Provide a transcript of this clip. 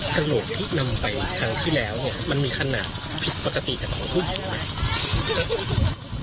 กระโหลกที่นำไปครั้งที่แล้วเนี่ยมันมีขนาดผิดปกติจากของผู้ไหม